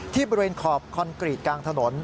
ที่บริเวณขอบคอนกรีตกลางถนน